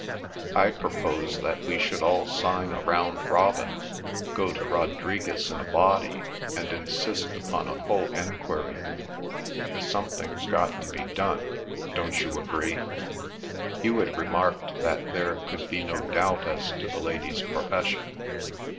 I propose that we should all sign a Round Robin, go to Rodriguez in a body, and insist upon a full enquiry. Something's got to be done, don't you agree?" Hewet remarked that there could be no doubt as to the lady's profession.